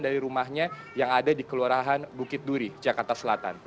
dari rumahnya yang ada di kelurahan bukit duri jakarta selatan